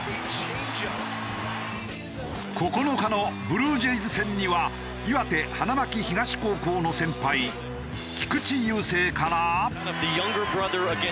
９日のブルージェイズ戦には岩手花巻東高校の先輩菊池雄星から。